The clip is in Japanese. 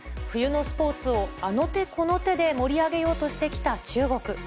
冬のスポーツをあの手この手で盛り上げようとしてきた中国。